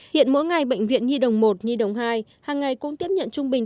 hiện mỗi ngày bệnh viện nhi đồng một nhi đồng hai hàng ngày cũng tiếp nhận trung bình